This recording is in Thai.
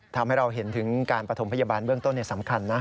ทำให้เราเห็นถึงการประถมพยาบาลเบื้องต้นสำคัญนะ